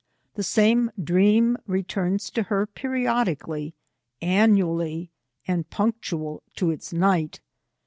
The same dream returns to her periodically, annu ally, and punctual to its night.